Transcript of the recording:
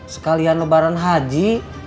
sekalian lebaran haji